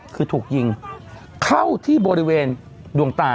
คือถูกยิงเข้าที่บริเวณดวงตา